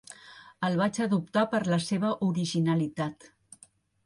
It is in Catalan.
El vaig adoptar per la seva originalitat.